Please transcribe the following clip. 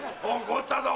怒ったぞ！